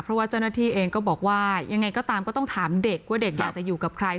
เพราะว่าเจ้าหน้าที่เองก็บอกว่ายังไงก็ตามก็ต้องถามเด็กว่าเด็กอยากจะอยู่กับใคร